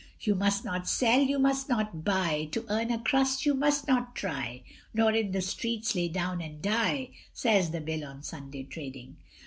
You must not sell, you must not buy, To earn a crust you must not try, Nor in the streets lay down and die, Says the Bill on Sunday trading.